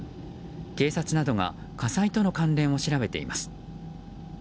警察などが火災との関連を調べています。